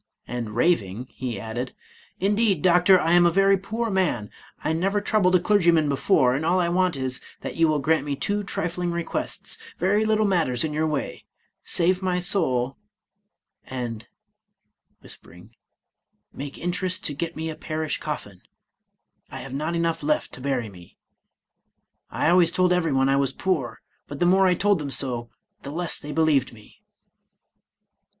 And, raving, he added, " Indeed, Doctor, I am a very poor man. I never troubled a clergyman before, and all I want is, that you will grant me two trifling requests, very little matters in your way, — save my soul, and (whis pering) make interest to get me a parish colfin, — I have not enough left to bury me. I always told everyone I was poor, but the more I told them so, the less they be lieved me."